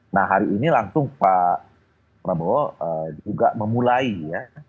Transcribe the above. nah hari ini langsung pak prabowo juga memulai ya